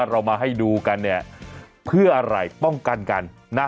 เรามาให้ดูกันเนี่ยเพื่ออะไรป้องกันกันนะ